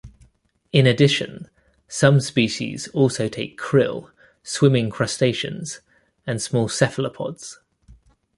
In addition, some species also take krill, swimming crustaceans, and small cephalopods.